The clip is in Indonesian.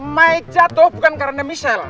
mike jatuh bukan karena michelle